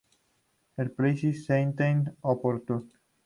Le Plessis-Sainte-Opportune